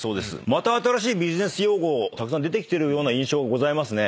また新しいビジネス用語たくさん出てきてるような印象ございますね。